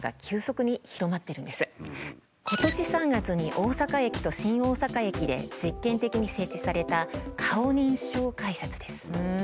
今年３月に大阪駅と新大阪駅で実験的に設置された顔認証改札です。